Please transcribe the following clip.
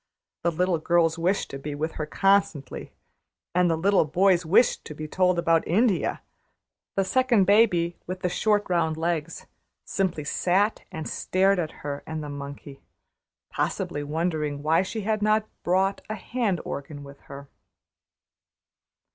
The girls wished to be with her constantly, and the little boys wished to be told about India; the second baby, with the short round legs, simply sat and stared at her and the monkey, possibly wondering why she had not brought a hand organ with her.